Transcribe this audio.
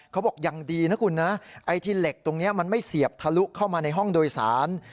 เขาบอกยังดีนะคุณนะไอ้ที่เหล็กตรงนี้มันไม่เสียบทะลุเข้ามาในห้องโดยสาร